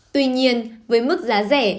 tuy nhiên với mức giá rẻ